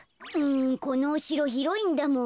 このおしろひろいんだもん。